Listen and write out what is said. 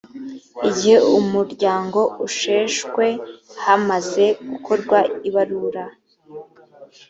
igihe umuryango usheshwe hamaze gukorwa ibarura.